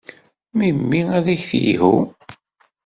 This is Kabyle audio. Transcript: Memmi ad ak-telhu.